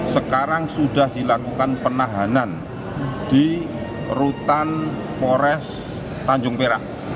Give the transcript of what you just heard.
sekarang sudah dilakukan penahanan di rutan polres tanjung perak